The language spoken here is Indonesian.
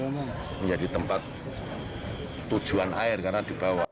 menjadi tempat tujuan air karena dibawa